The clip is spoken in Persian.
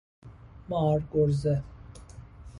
مارگرزه